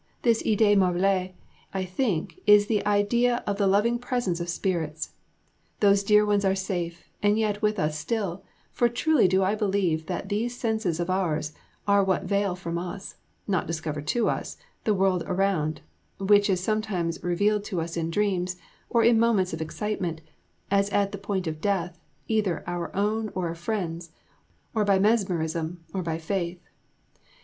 This idée merveilleuse, I think, is the idea of the loving presence of spirits. Those dear ones are safe, and yet with us still, for truly do I believe that these senses of ours are what veil from us, not discover to us, the world around (which is sometimes revealed to us in dreams, or in moments of excitement, as at the point of death, either our own or a friend's, or by mesmerism, or by faith).